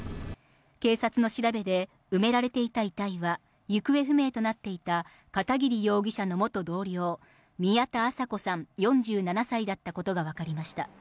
警察の調べで、埋められていた遺体は、行方不明となっていた片桐容疑者の元同僚、宮田麻子さん４７歳だったことが分かりました。